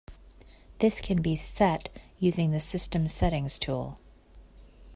This can be set using the System Settings tool.